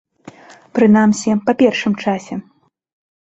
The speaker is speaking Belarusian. Прынамсі, па першым часе.